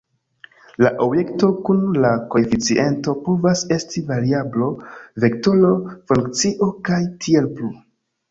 La objekto kun la koeficiento povas esti variablo, vektoro, funkcio, kaj tiel plu.